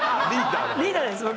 リーダーです僕。